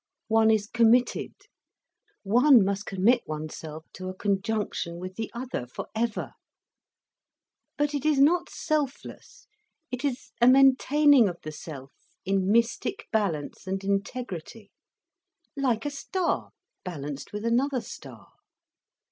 One is committed. One must commit oneself to a conjunction with the other—for ever. But it is not selfless—it is a maintaining of the self in mystic balance and integrity—like a star balanced with another star."